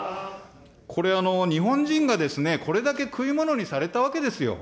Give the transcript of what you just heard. これ、日本人がこれだけ食いものにされたわけですよ。